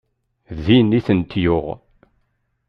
Din i ten-tuɣ?